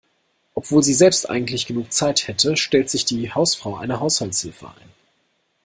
Obwohl sie selbst eigentlich genug Zeit hätte, stellt sich die Hausfrau eine Haushaltshilfe ein.